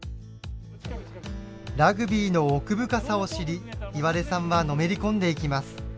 ラグビーの奥深さを知り岩出さんはのめり込んでいきます。